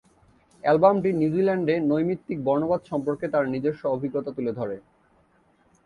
অ্যালবামটি নিউজিল্যান্ডে নৈমিত্তিক বর্ণবাদ সম্পর্কে তার নিজস্ব অভিজ্ঞতা তুলে ধরে।